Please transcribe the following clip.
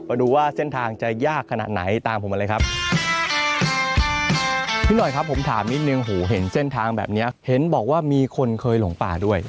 พี่หน่อยครับผมถามนิดนึงหูเห็นเส้นทางแบบนี้เห็นบอกว่ามีคนเคยหลงป่าด้วย